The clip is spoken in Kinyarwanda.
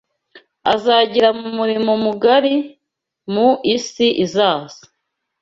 azagira mu murimo mugari, mu isi izaza